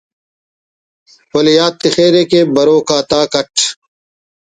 ولے یات تخرے کہ بروک آ تاک اٹ